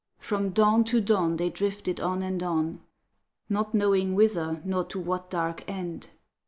From dawn to dawn they drifted on and on, Not knowing whither nor to what dark end.